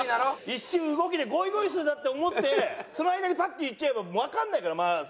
一瞬動きでゴイゴイスーだって思ってその間にパッて言っちゃえばわかんないから世間の人は。